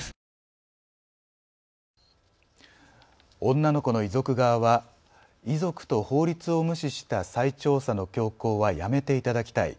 女の子の遺族側は遺族と法律を無視した再調査の強行はやめていただきたい。